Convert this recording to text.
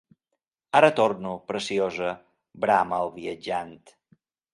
Ara torno, preciosa, brama el viatjant.